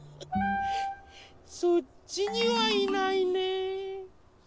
そっちにはいないね。